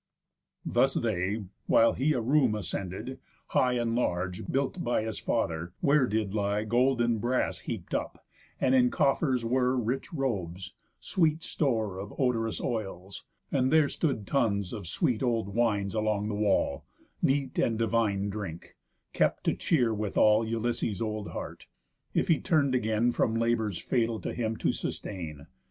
Thus they; while he a room ascended, high And large, built by his father, where did lie Gold and brass heap'd up, and in coffers were Rich robes, great store of odorous oils, and there Stood tuns of sweet old wines along the wall, Neat and divine drink, kept to cheer with all Ulysses' old heart, if he turn'd again From labours fatal to him to sustain.